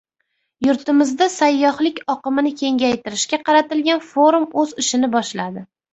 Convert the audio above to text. Yurtimizda sayyohlik oqimini kengaytirishga qaratilgan forum o‘z ishini boshladi